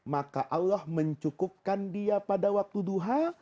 maka allah mencukupkan dia pada waktu duha